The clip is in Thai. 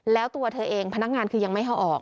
แล้วตัวเธอเองพนักงานคือยังไม่ให้ออก